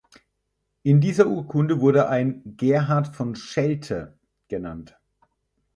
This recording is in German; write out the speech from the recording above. In dieser Urkunde wurde ein „Gerhart von Schelte“ genannt.